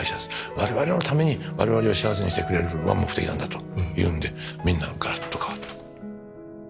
我々のために我々を幸せにしてくれるのが目的なんだというのでみんなガラッと変わった。